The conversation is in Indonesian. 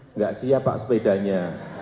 enggak siap pak sepedanya